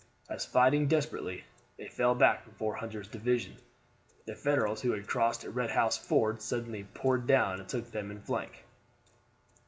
As, fighting desperately, they fell back before Hunter's division, the Federals who had crossed at Red House Ford suddenly poured down and took them in flank.